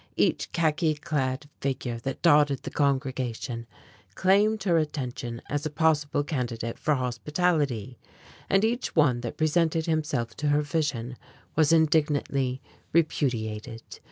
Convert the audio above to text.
Each khaki clad figure that dotted the congregation claimed her attention as a possible candidate for hospitality. And each one that presented himself to her vision was indignantly repudiated.